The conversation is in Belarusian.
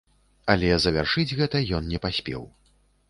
Але завяршыць гэта ён не паспеў.